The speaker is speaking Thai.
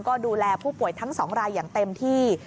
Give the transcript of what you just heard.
ก็ดูแลผู้ป่วยทั้ง๒รายอย่างเต็มที่